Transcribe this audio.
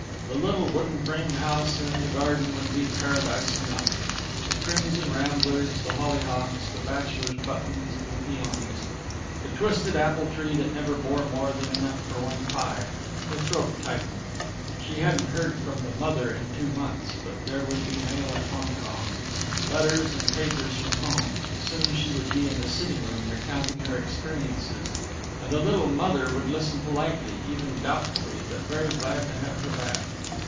The little wooden frame house and the garden would be paradise enough. The crimson ramblers, the hollyhocks, the bachelor's buttons, and the peonies, the twisted apple tree that never bore more than enough for one pie! Her throat tightened. She hadn't heard from the mother in two months, but there would be mail at Hong Kong. Letters and papers from home! Soon she would be in the sitting room recounting her experiences; and the little mother would listen politely, even doubtfully, but very glad to have her back.